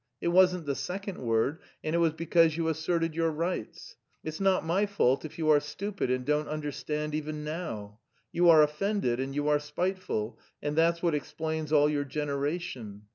It wasn't the second word, and it was because you asserted your rights. It's not my fault if you are stupid and don't understand even now. You are offended and you are spiteful and that's what explains all your generation."